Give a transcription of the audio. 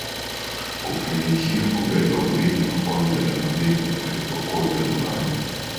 kufanikiwa kubeba ubingwa wa kombe la mabingwa alipokuwa ujerumani